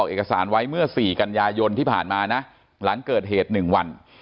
เอกสารไว้เมื่อ๔กันยายนที่ผ่านมานะหลังเกิดเหตุ๑วัน